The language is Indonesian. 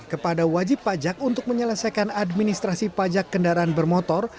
kepada wajib pajak untuk menyelesaikan administrasi pajak kendaraan bermotor